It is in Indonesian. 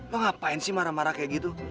mau ngapain sih marah marah kayak gitu